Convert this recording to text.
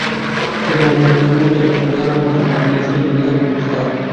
সেখানে অভিনন্দনের উত্তরে বেদান্ত সম্বন্ধে তিনি এক সুদীর্ঘ হৃদয়গ্রাহী বক্তৃতা করেন।